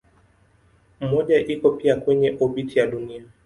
Mmoja iko pia kwenye obiti ya Dunia.